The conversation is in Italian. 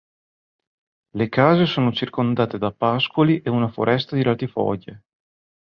Le case sono circondate da pascoli e una foresta di latifoglie.